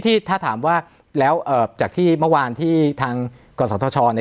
ที่ถ้าถามว่าแล้วเอ่อจากที่เมื่อวานที่ทางกศธชอใน